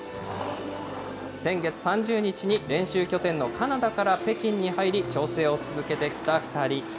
先月３０日に練習拠点のカナダから北京に入り、調整を続けてきた２人。